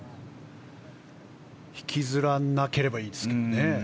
引きずらなければいいんですけどね。